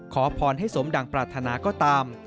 ขอพรให้สมดังปรารถนาก็ตาม